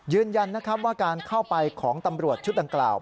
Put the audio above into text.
ยืนยันนะครับว่าการเข้าไปของตำรวจชุดดังกล่าว